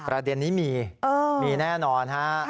ประเด็นนี้มีมีแน่นอนฮะ